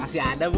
masih ada bu